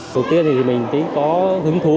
đầu tiên thì mình có hứng thú